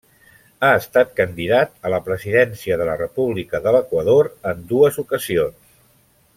Ha estat candidat a la presidència de la República de l'Equador en dues ocasions.